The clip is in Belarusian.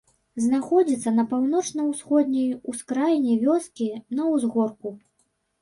Знаходзіцца на паўночна-ўсходняй ускраіне вёскі, на ўзгорку.